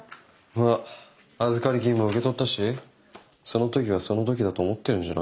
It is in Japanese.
まあ預かり金も受け取ったしその時はその時だと思ってるんじゃない？